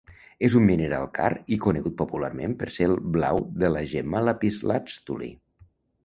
És un mineral car i conegut popularment per ser el blau de la gemma lapislàtzuli.